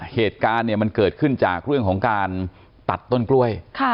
เหตุการณ์เนี่ยมันเกิดขึ้นจากเรื่องของการตัดต้นกล้วย